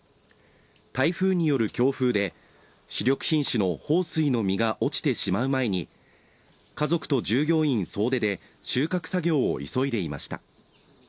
台風による強風で主力品種の豊水の実が落ちてしまう前に家族と従業員総出で収穫作業を急いでいました。